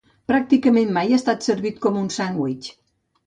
Pràcticament mai ha estat servit com un sandvitx.